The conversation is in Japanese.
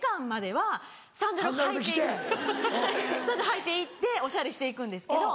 履いて行っておしゃれして行くんですけど。